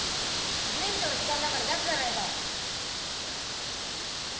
尋ね人の時間なんかに出すじゃないか！